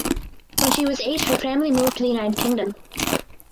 When she was eight her family moved to United Kingdom.